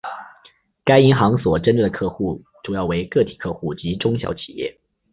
该银行所针对的客户主要为个体客户及中小企业。